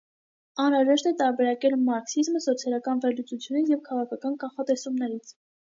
Անհրաժեշտ է տարբերակել մարքսիզմը սոցիալական վերլուծությունից և քաղաքական կանխատեսումներից։